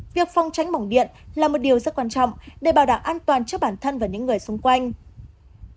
việc phong tránh bỏng điện là một điều rất quan trọng để bảo đảm an toàn cho bản thân và những người xung quanh